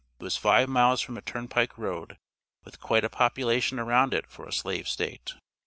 It was five miles from a turnpike road, with quite a population around it for a slave State."